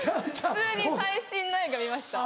普通に最新の映画見ました。